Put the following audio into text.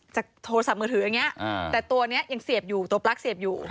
โทรศัพท์มือถืออย่างนี้แต่ตัวนี้ยังเสียบอยู่ตัวปลั๊กเสียบอยู่